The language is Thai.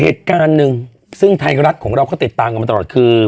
เหตุการณ์หนึ่งซึ่งไทยรัฐของเราก็ติดตามกันมาตลอดคือ